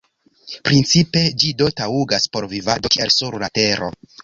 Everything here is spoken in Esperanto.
Principe ĝi do taŭgas por vivado, kiel sur la Tero.